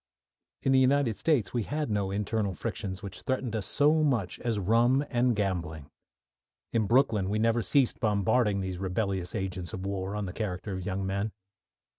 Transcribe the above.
In the United States we had no internal frictions which threatened us so much as rum and gambling. In Brooklyn we never ceased bombarding these rebellious agents of war on the character of young men.